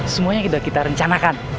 semuanya udah kita rencanakan